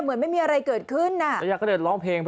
เหมือนเป็นไม่มีเกิดอะไรขึ้นน่ะ